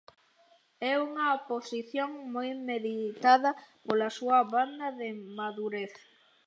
É unha posición moi meditada pola súa banda, de madurez.